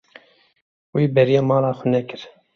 Wî bêriya mala xwe nekir.